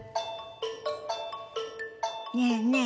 ねえねえ